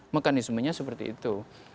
mekanismenya seperti itu